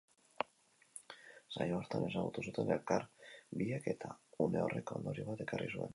Saio hartan ezagutu zuten elkar biek eta une horrek ondorio bat ekarri zuen.